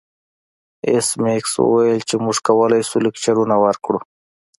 ایس میکس وویل چې موږ کولی شو لکچرونه ورکړو